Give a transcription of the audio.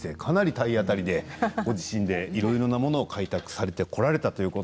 かなり体当たりでご自身でいろいろなものを開拓されてこられたということで